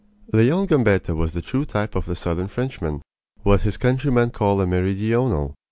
Leon Gambetta was the true type of the southern Frenchman what his countrymen call a meridional.